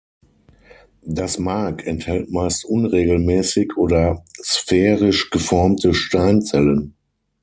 Das Mark enthält meist unregelmäßig oder sphärisch geformte Steinzellen.